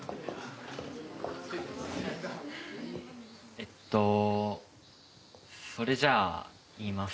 えっとそれじゃ言います。